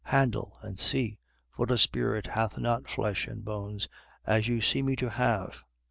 Handle, and see: for a spirit hath not flesh and bones, as you see me to have.